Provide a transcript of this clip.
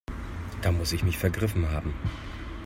Da muss ich mich vergriffen haben.